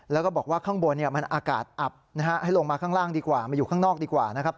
แล้วก็บอกว่าข้างบนมันอากาศอับนะฮะให้ลงมาข้างล่างดีกว่ามาอยู่ข้างนอกดีกว่านะครับ